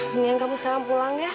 mendingan kamu sekarang pulang ya